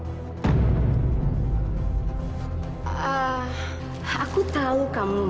maaf maudie saya mau ketemu tasha tasha ada di dalam